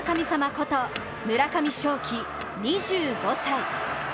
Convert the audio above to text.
こと村上頌樹２５歳。